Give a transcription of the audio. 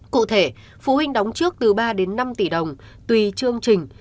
cụ thể phụ huynh đóng trước từ ba đến năm tỷ đồng tùy chương trình